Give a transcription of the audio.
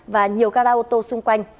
và nhiều gara ô tô xung quanh